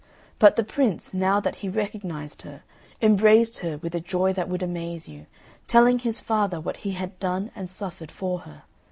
But the Prince, now that he recognised her, embraced her with a joy that would amaze you, telling his father what he had done and suffered for her.